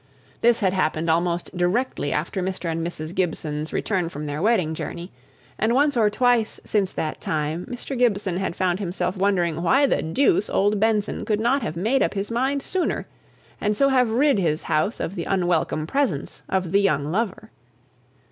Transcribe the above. This had happened almost directly after Mr. and Mrs. Gibson's return from their wedding journey, and once or twice since that time Mr. Gibson had found himself wondering why the deuce old Benson could not have made up his mind sooner, and so have rid his house of the unwelcome presence of the young lover.